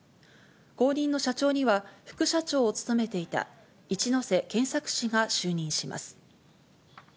後任の社長には、副社長を務めていた一瀬健作氏が就任します。